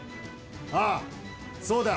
ああそうだ！